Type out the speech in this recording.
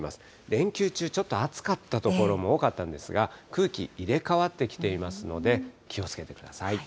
連休中、ちょっと暑かった所も多かったんですが、空気、入れ替わってきていますので、気をつけてください。